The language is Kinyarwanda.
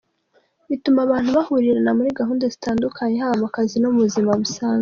Bituma abantu bahurirana muri gahunda zitandukanye, haba mu kazi no mu buzima busanzwe.